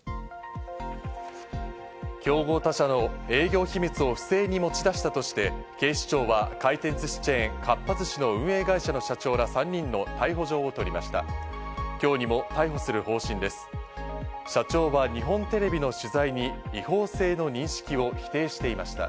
競合他社の営業秘密を不正に持ち出したとして、警視庁は回転寿司チェーン、かっぱ寿司の運営会社の社長ら３人の逮捕状を取りました。